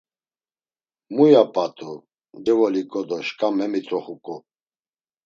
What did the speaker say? Muya p̌at̆u, cevoliǩo do şǩa memit̆roxuǩo.